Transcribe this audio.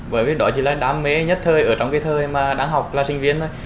bởi vì đó chỉ là đam mê nhất thời ở trong cái thời mà đang học là sinh viên thôi